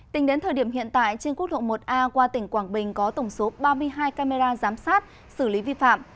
tính đến thời điểm hiện tại trên quốc lộ một a qua tỉnh quảng bình có tổng số ba mươi hai camera giám sát xử lý vi phạm